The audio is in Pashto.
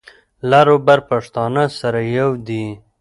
لر او بر پښتانه سره یو دي.